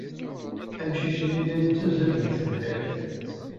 Amcic-nni la yettazzal deg tebḥirt.